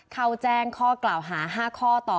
เขาแจ้งข้อกล่าวหา๕ข้อต่อ